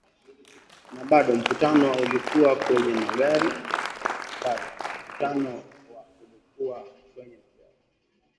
na bado mkutano wa ulikuwa kwenye magari